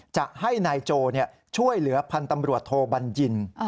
จะให้นายโจช่วยเหลือพันธ์ตำรวจโทบัญญิน